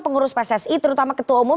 pengurus pssi terutama ketua umum